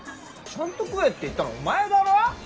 ちゃんと食えって言ったのお前だろ？